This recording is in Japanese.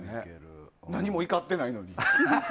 何も怒ってないのに。